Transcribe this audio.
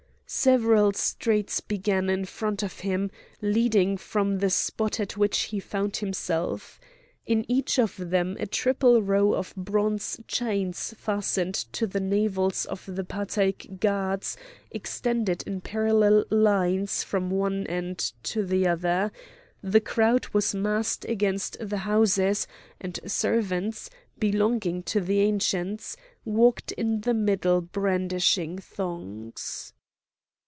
Several streets began in front of him, leading from the spot at which he found himself. In each of them a triple row of bronze chains fastened to the navels of the Patæc gods extended in parallel lines from one end to the other; the crowd was massed against the houses, and servants, belonging to the Ancients, walked in the middle brandishing thongs.